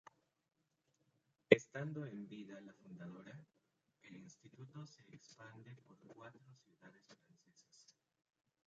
Estando en vida la fundadora, el instituto se expande por cuatro ciudades francesas.